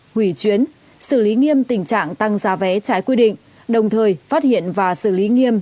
hủy chuyến xử lý nghiêm tình trạng tăng giá vé trái quy định đồng thời phát hiện và xử lý nghiêm